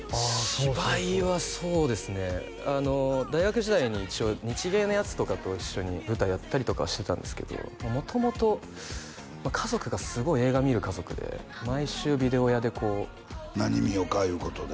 芝居はそうですね大学時代に一応日芸のヤツとかと一緒に舞台やったりとかはしてたんですけど元々家族がすごい映画見る家族で毎週ビデオ屋でこう何見ようかいうことで？